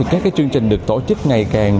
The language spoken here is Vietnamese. các chương trình được tổ chức ngày càng